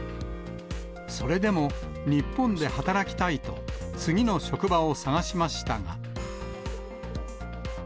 それでも、日本で働きたいと、次の職場を探しましたが。